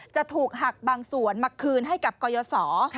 จะถูกหักบางส่วนมาคืนให้กับกรยศ